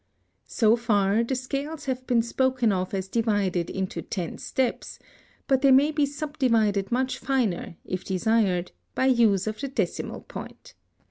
So far the scales have been spoken of as divided into ten steps, but they may be subdivided much finer, if desired, by use of the decimal point.